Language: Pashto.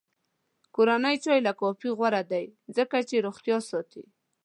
کورنی چای له کافي غوره دی، ځکه چې روغتیا ساتي.